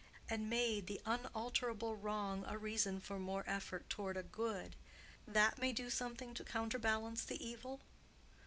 —and made the unalterable wrong a reason for more effort toward a good, that may do something to counterbalance the evil?